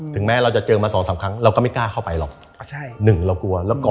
แม้เราจะเจอมา๒๓ครั้งเราก็ไม่กล้าเข้าไปหรอก